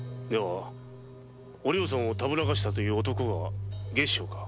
お涼さんをたぶらかしたという男は月照か？